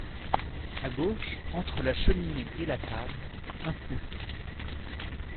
À gauche, entre la cheminée et la table, un pouff.